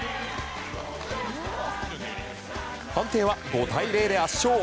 判定は５対０で圧勝。